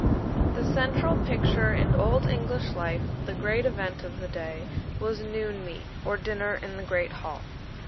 The central picture in Old English life the great event of the day was Noon meat, or dinner in the great hall.